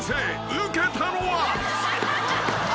ウケたのは？］